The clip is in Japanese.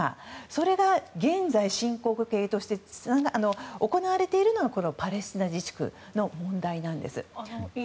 それが現在進行形として行われているのがパレスチナ自治区の問題です。